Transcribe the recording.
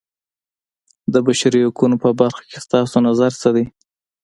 د بشري حقونو په برخه کې ستاسو نظر څه دی.